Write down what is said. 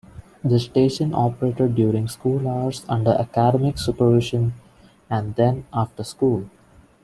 The station operated during school hours under academic supervision, and then after school.